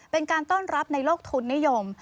เป็นการต้อนรับในโลกทุนนิยม